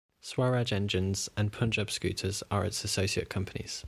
Swaraj Engines and Punjab Scooters are its associate companies.